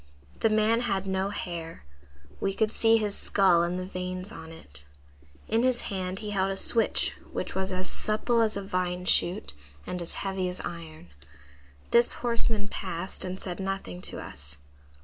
The man had no hair; we could see his skull and the veins on it. In his hand he held a switch which was as supple as a vine shoot and as heavy as iron. This horseman passed and said nothing to us.